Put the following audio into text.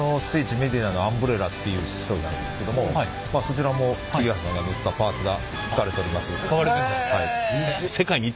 メディナのアンブレラっていう商品あるんですけどもそちらも桐原さんが縫ったパーツが使われております。